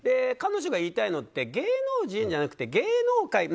彼女が言いたいのって芸能人じゃなくて芸能界